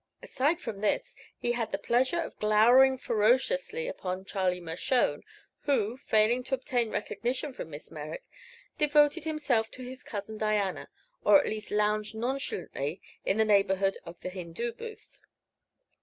Aside from this, he had the pleasure of glowering ferociously upon Charlie Mershone, who, failing to obtain recognition from Miss Merrick, devoted himself to his cousin Diana, or at least lounged nonchalantly in the neighborhood of the Hindoo Booth.